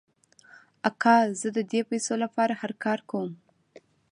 آقا زه د دې پیسو لپاره هر کار کوم.